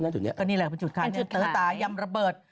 เยอะนะจุดนี้ก็นี่แหละเป็นจุดค้ายำระเบิด